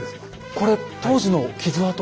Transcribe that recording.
これ当時の傷痕？